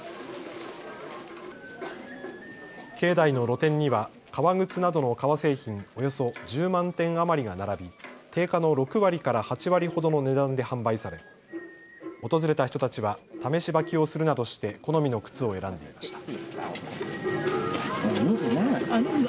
境内の露店には、革靴などの皮製品およそ１０万点余りが並び、定価の６割から８割ほどの値段で販売され、訪れた人たちは、試し履きをするなどして、好みの靴を選んでいました。